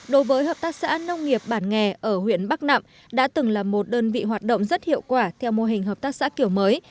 đối với hợp tác xã nông nghiệp bản nghề ở huyện bắc nạm đã từng là một đơn vị hoạt động rất hiệu quả theo mô hình hợp tác xã kiểu mới